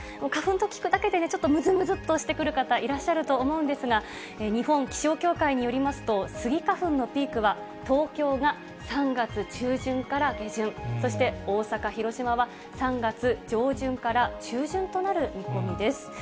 花粉と聞くだけでね、ちょっとむずむずっとしてくる方、いらっしゃると思うんですが、日本気象協会によりますと、スギ花粉のピークは東京が３月中旬から下旬、そして大阪、広島は３月上旬から中旬となる見込みです。